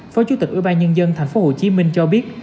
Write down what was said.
phó chủ tịch ủy ban nhân dân tp hcm cho biết